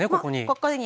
ここに。